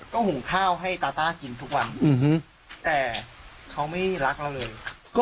ก็หุงข้าวให้ตาต้ากินทุกวันแต่เขาไม่รักเราเลย